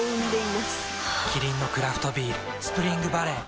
キリンのクラフトビール「スプリングバレー」